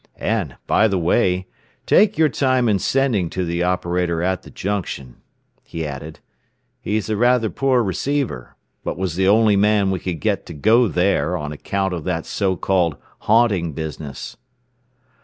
"And, by the way, take your time in sending to the operator at the Junction," he added. "He's a rather poor receiver, but was the only man we could get to go there, on account of that so called 'haunting' business."